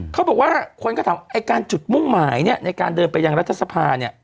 เขาบอกว่าคนก็ถามไอ้การจุดมุ่งหมายเนี่ยในการเดินไปยังรัฐสภาเนี่ย